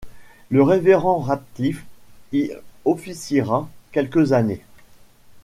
Le révérend Radcliff y officiera quelques années...